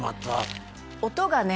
音がね